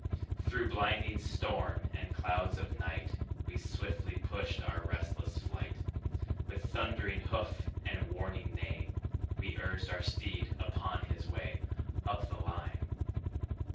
Through blinding storm and clouds of night, We swiftly pushed our restless flight; With thundering hoof and warning neigh, We urged our steed upon his way Up the line.